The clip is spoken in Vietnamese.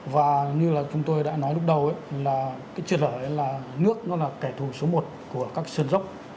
và như là chúng tôi đã nói lúc đầu là cái triệt hở là nước nó là kẻ thù số một của các sơn dốc